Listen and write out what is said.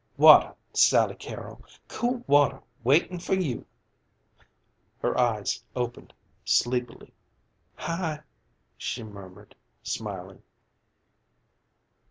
"Water, Sally Carrol! Cool water waitin' for you!" Her eyes opened sleepily. "Hi!" she murmured, smiling.